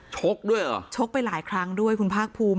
ชกด้วยเหรอชกไปหลายครั้งด้วยคุณภาคภูมิ